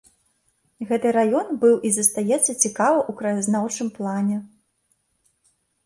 Гэты раён быў і застаецца цікавы ў краязнаўчым плане.